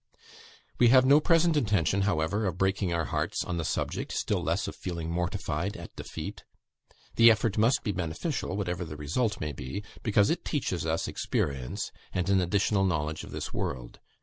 We have no present intention, however, of breaking our hearts on the subject, still less of feeling mortified at defeat. The effort must be beneficial, whatever the result may be, because it teaches us experience, and an additional knowledge of this world.